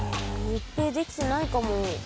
密閉できてないかも。